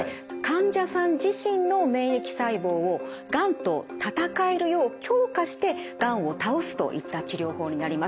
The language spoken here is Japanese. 患者さん自身の免疫細胞をがんと戦えるよう強化してがんを倒すといった治療法になります。